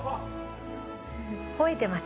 ほえてます。